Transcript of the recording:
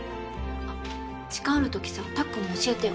あっ時間あるときさたっくんも教えてよ。